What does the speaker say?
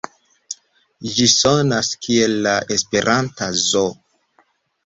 Ĝi sonas kiel la esperanta Zo.